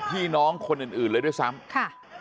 พี่น้องคนอื่นเลยด้วยซ้ำค่ะ